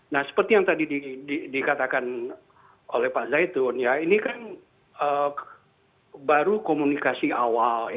nah seperti yang tadi dikatakan oleh pak zaitun ya ini kan baru komunikasi awal